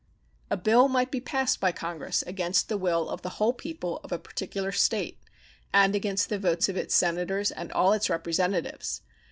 A bill might be passed by Congress against the will of the whole people of a particular State and against the votes of its Senators and all its Representatives.